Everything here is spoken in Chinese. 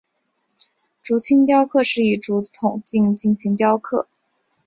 竹青雕刻是以竹子筒茎进行雕刻。